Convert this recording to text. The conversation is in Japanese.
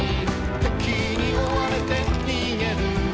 「敵に追われて逃げる」